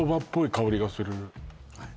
香りがする